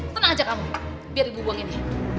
tenang aja kamu ibu akan berhitungan sama dia bu